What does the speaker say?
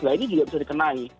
nah ini juga bisa dikenai